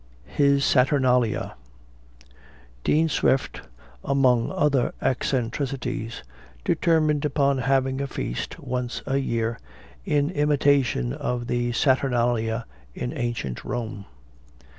HIS SATURNALIA. Dean Swift, among other eccentricities, determined upon having a feast once a year, in imitation of the Saturnalia in ancient Rome.